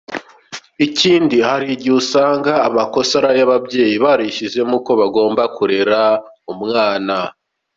Ikindi hari igihe usanga amakosa ari ay’ababyeyi, barishyizemo uko bagomba kurera umwana.